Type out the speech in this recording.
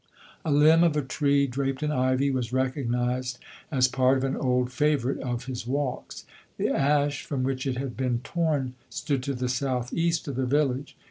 A limb of a tree, draped in ivy, was recognised as part of an old favourite of his walks. The ash from which it had been torn stood to the south east of the village.